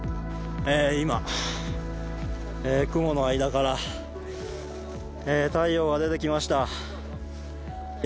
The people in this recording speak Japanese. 今、雲の間から太陽が出てきました。